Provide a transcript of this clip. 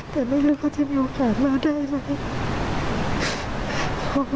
แต่ไม่รู้ว่าจะมีโอกาสมาได้ไหม